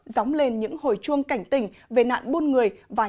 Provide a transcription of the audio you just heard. gióng lên những hồi chuông cao